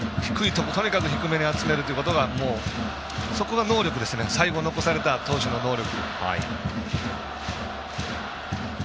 とにかく低めに集めるところがそこが能力ですね最後残された投手の能力。